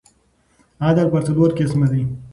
عدل پر څلور قسمه دئ.